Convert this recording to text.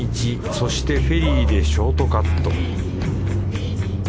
そしてフェリーでショートカット